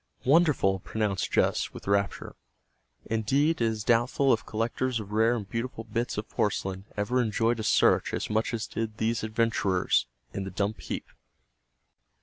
"Wonderful!" pronounced Jess with rapture. Indeed, it is doubtful if collectors of rare and beautiful bits of porcelain ever enjoyed a search as much as did these adventurers in the dump heap.